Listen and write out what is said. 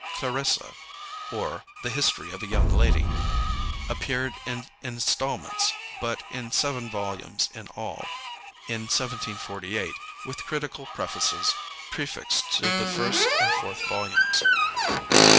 Clarissa; or, The History of a Young Lady, appeared, in instalments, but in seven volumes in all, in 1748, with critical prefaces prefixed to the first and fourth volumes.